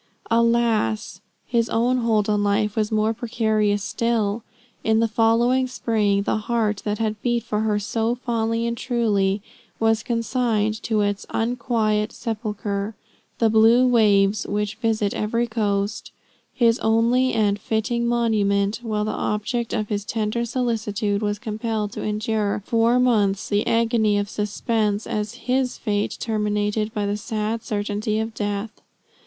Alas! his own hold on life was more precarious still. In the following spring, the heart that had beat for her so fondly and truly was consigned to its "unquiet sepulchre;" "the blue waves which visit every coast" his only and "fitting monument;" while the object of his tender solicitude was compelled to endure four months the agony of suspense as to his fate, terminated by the sad certainty of his death.